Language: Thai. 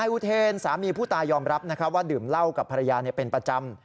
ว่าดื่มเล่ากับภรรยาเป็นประจำ